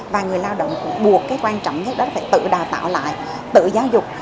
và người lao động cũng buộc cái quan trọng nhất đó là phải tự đào tạo lại tự giáo dục